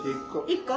１個？